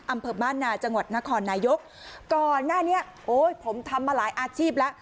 อำเภอบ้านนาจังหวัดนครนายกก่อนหน้านี้โอ้ยผมทำมาหลายอาชีพแล้ว